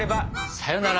「さよなら」